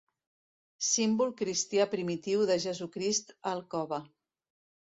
Símbol cristià primitiu de Jesucrist al cove.